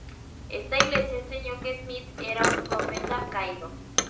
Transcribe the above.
Este iglesia enseñó que Smith era un "profeta caído".